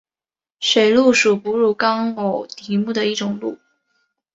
水鹿属哺乳纲偶蹄目的一种鹿。